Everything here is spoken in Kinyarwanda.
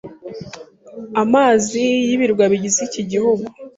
amazi y'ibirwa bigize iki gihugu,